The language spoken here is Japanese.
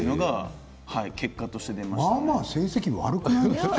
まあまあ成績悪くないですか？